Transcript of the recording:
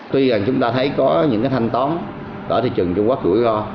tuy rằng chúng ta thấy có những cái thanh toán ở thị trường trung quốc rủi ro